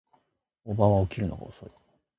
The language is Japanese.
叔母は起きるのが遅い